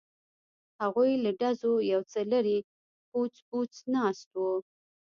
هغوی له ډزو یو څه لرې بوڅ بوڅ ناست وو.